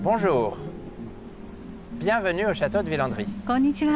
こんにちは。